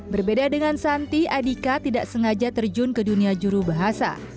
berbeda dengan santi adika tidak sengaja terjun ke dunia juru bahasa